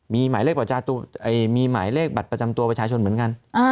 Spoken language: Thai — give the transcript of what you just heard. มีหมายเลขบัตรประจำตัวประชาชนเหมือนกัน